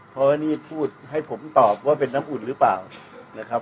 เพราะนี่พูดให้ผมตอบว่าเป็นน้ำอุ่นหรือเปล่านะครับ